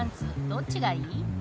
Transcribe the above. どっちがいい？」